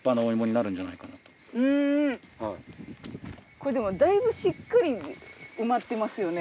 これでもだいぶしっかり埋まってますよね？